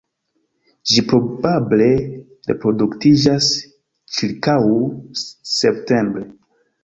Ĝi probable reproduktiĝas ĉirkaŭ septembre.